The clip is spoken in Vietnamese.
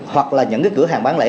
hoặc là những cái cửa hàng bán lẻ